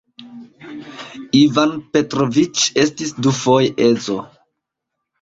Ivan Petroviĉ estis dufoje edzo.